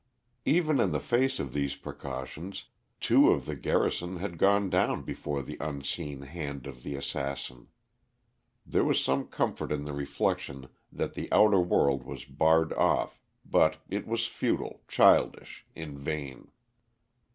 Even in the face of these precautions two of the garrison had gone down before the unseen hand of the assassin. There was some comfort in the reflection that the outer world was barred off, but it was futile, childish, in vain.